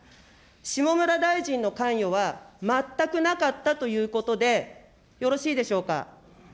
下村大臣の関与は全くなかったということでよろしいでしょうか。